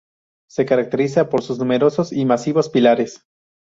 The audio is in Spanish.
Se caracteriza por sus numerosos y masivos pilares.